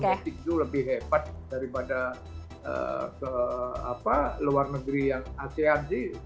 domestik itu lebih hebat daripada ke luar negeri yang asean sih